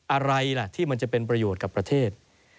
อะไรล่ะที่มันจะเป็นประโยชน์กับประเทศ